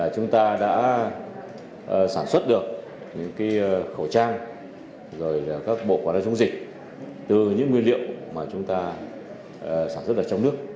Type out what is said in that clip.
chúng ta đã sản xuất được những khẩu trang các bộ quản lý chống dịch từ những nguyên liệu mà chúng ta sản xuất ở trong nước